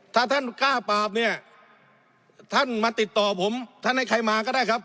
ถ้าท่านกล้าปราบเนี่ยท่านมาติดต่อผมท่านให้ใครมาก็ได้ครับ